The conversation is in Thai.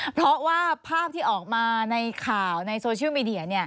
เพราะว่าภาพที่ออกมาในข่าวในโซเชียลมีเดีย